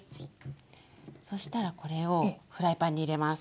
そしたらこれをフライパンに入れます。